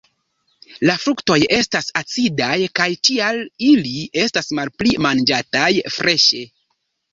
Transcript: La fruktoj estas acidaj kaj tial ili estas malpli manĝataj freŝe.